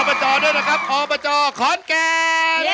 ขอบคุณอปจด้วยนะครับอปจขอนแก่